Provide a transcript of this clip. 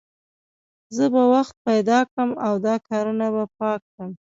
زه به وخت پیدا کړم او دا کارونه به پاک کړم